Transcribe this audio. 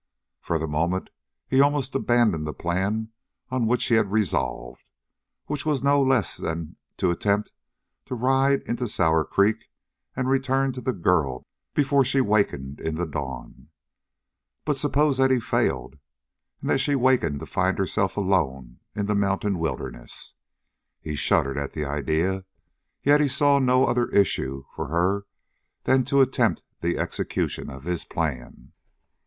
For the moment he almost abandoned the plan on which he had resolved, which was no less than to attempt to ride into Sour Creek and return to the girl before she wakened in the dawn. But suppose that he failed, and that she wakened to find herself alone in the mountain wilderness? He shuddered at the idea, yet he saw no other issue for her than to attempt the execution of his plan.